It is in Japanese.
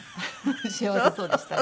幸せそうでしたね。